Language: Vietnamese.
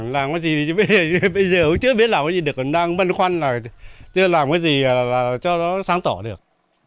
làm cái gì thì bây giờ cũng chưa biết làm cái gì được còn đang băn khoăn là chưa làm cái gì là cho nó sáng tỏ được